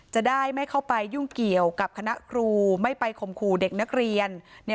จะได้ไม่เข้าไปยุ่งเกี่ยวกับคณะครูไม่ไปข่มขู่เด็กนักเรียน